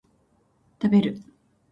食べる